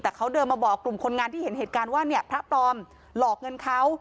แต่เขาเดินมาบอกกลุ่มคนงานที่เห็นเหตุการณ์ว่าเนี่ยพระปลอมหลอกเงินเขา